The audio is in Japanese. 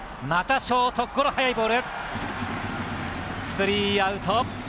スリーアウト。